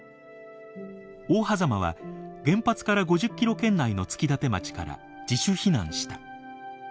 大峽は原発から５０キロ圏内の月舘町から自主避難した。